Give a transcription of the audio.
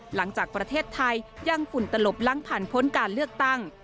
หลังจากประเทศไทยยังฝุ่นตลบหลังผ่านพ้นการเลือกตั้ง